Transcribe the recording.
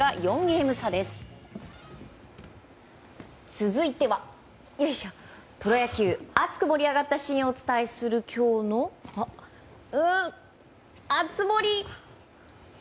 続いてはプロ野球熱く盛り上がったシーンをお伝えするきょうの熱盛！